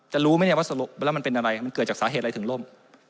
จะรู้ไหมว่ามันเป็นอะไรมันเกิดจากสาเหตุอะไรถึงร่ม